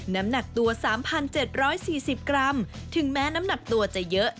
น้ำหนักตัว๓๗๔๐กรัมถึงแม้น้ำหนักตัวจะเยอะ